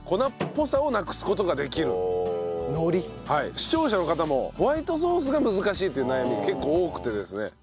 視聴者の方もホワイトソースが難しいっていう悩みが結構多くてですね。